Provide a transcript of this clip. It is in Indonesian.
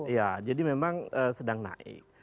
ya jadi memang sedang naik